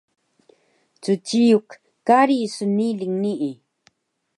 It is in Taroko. Cciyuk kari sniling nii